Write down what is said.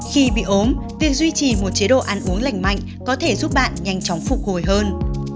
khi bị ốm việc duy trì một chế độ ăn uống lành mạnh có thể giúp bạn nhanh chóng phục hồi hơn